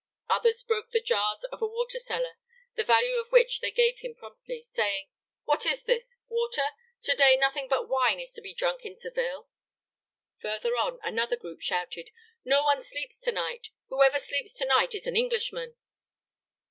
Others broke the jars of a water seller (the value of which they gave him promptly), saying, "What is this? Water? Today nothing but wine is to be drunk in Seville." Further on, another group shouted, "No one sleeps to night; whoever sleeps to night is an Englishman!"